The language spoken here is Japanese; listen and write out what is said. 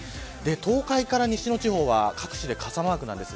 東海から西の地方は各地で傘マークです。